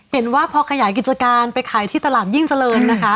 เห็นว่าพอกระหย่ายกิจการไปขายที่ตลาดยิ่งเจริญ